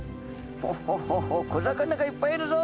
「ホホホホ小魚がいっぱいいるぞ」。